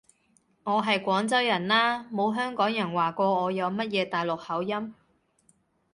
我係廣州人啦，冇香港人話過我有乜嘢大陸口音